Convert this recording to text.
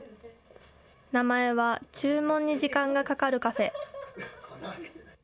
名前は注文に時間がかかるカフェ。